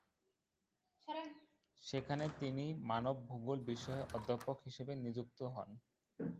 সেখানে তিনি মানব ভূগোল বিষয়ের অধ্যাপক হিসাবে নিযুক্ত হন।